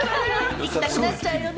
行きたくなっちゃうよね。